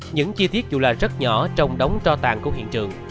những chi tiết dù là rất nhỏ trong đống cho tàn của hiện trường